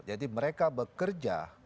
jadi mereka bekerja